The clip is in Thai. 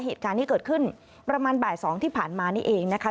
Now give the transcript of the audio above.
เหตุการณ์ที่เกิดขึ้นประมาณบ่าย๒ที่ผ่านมานี่เองนะคะ